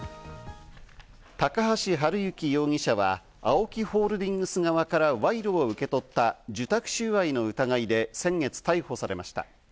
高橋治之容疑者は、ＡＯＫＩホールディングス側から賄賂を受け取った受託収賄の疑いで先月逮捕されました。